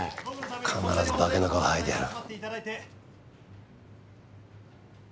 必ず化けの皮をはいでやる。